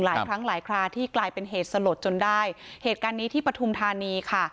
หลายครั้งหลายคราที่กลายเป็นเหตุสลดจนได้เหตุการณ์นี้ที่ปฐุมธานีค่ะ